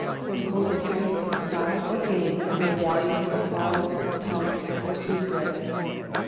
= (_For coating joints of fowl or game, or medallions of fowl, tongue or sweetbreads.